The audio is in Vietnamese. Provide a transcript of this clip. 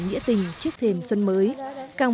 nghĩa tình trước thềm xuân mới càng